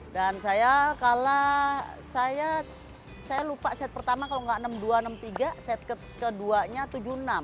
dan saya kalah saya lupa set pertama kalau enggak enam dua enam tiga set keduanya tujuh enam